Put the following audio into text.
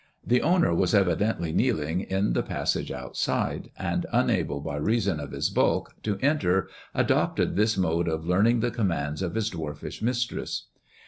The owner was evidently kneeling in the passage outside, and, unable by reason of his bulk to enter, adopted this mode of learning the commands of his dwarfish mistress.